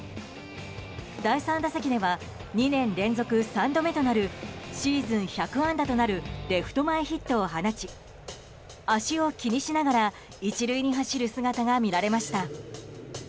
第３打席では２年連続３度目となるシーズン１００安打となるレフト前ヒットを放ち足を気にしながら１塁に走る姿が見られました。